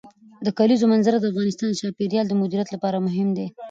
د کلیزو منظره د افغانستان د چاپیریال د مدیریت لپاره مهم دي.